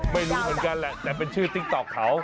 ไม่รู้เหมือนกันแหละแต่เป็นชื่อติ๊กต๊อกเขา